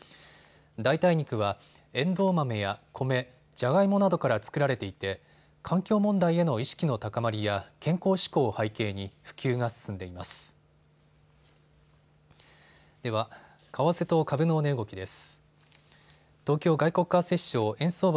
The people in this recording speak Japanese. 代替肉はエンドウ豆やコメ、ジャガイモなどから作られていて環境問題への意識の高まりや健康志向を背景に普及が進んでいます。